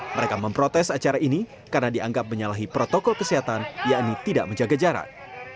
mereka memprotes acara ini karena dianggap menyalahi protokol kesehatan yakni tidak menjaga jarak